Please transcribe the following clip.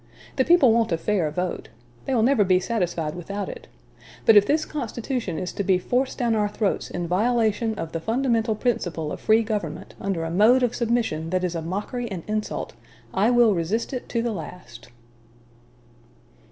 The people want a fair vote. They will never be satisfied without it.... But if this constitution is to be forced down our throats in violation of the fundamental principle of free government, under a mode of submission that is a mockery and insult, I will resist it to the last."